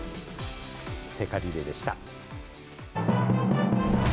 聖火リレーでした。